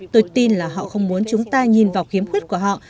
tôi tin là họ không muốn chúng ta nhìn vào khiếm khuyết của họ